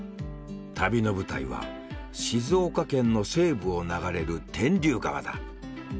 旅の舞台は静岡県の西部を流れる「天竜川」だ。